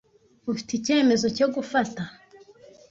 Ufite icyemezo cyo gufata.